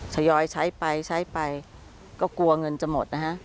ยอยใช้ไปใช้ไปก็กลัวเงินจะหมดนะฮะ